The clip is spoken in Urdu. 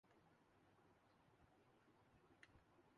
ماہر روحانیات: میرے ساتھ ایک دوست ہیں۔